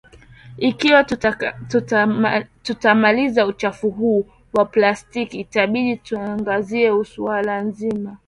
Ikiwa tutamaliza uchafu huu wa plastiki itabidi tuangazie suala zima